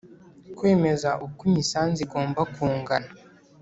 Kwemeza uko imisanzu igomba kungana